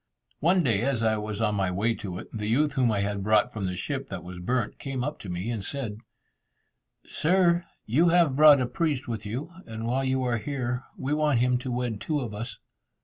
One day, as I was on my way to it, the youth whom I had brought from the ship that was burnt, came up to me, and said, "Sir, you have brought a priest with you, and while you are here, we want him to wed two of us."